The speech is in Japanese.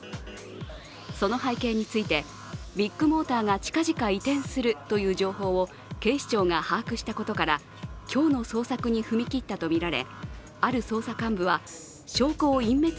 その背景について、ビッグモーターが近々移転するという情報を警視庁が把握したことから、今日の捜索に踏み切ったとみられ